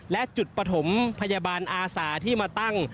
และจุดปฐมพยาบาลอาสาที่มาตั้ง